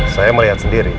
saya melihat sendiri